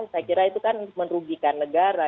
saya kira itu kan merugikan negara